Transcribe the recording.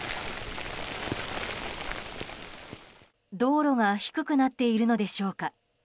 道路が低くなっているのでしょうか。